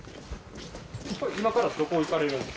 今からどこ行かれるんですか。